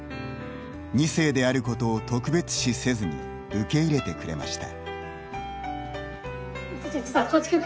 ２世であることを特別視せずに受け入れてくれました。